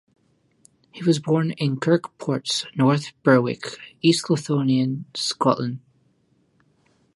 He was born in Kirk Ports, North Berwick, East Lothian, Scotland.